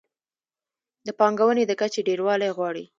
د پانګونې د کچې ډېروالی غواړي.